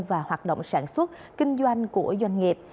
và hoạt động sản xuất kinh doanh của doanh nghiệp